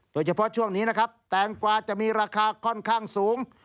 โดยเฉพาะช่วงนี้นะครับแตงกวาจะมีราคาค่อนข้างสูง